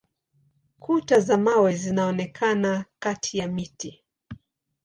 Kuta za mawe zinaonekana kati ya miti.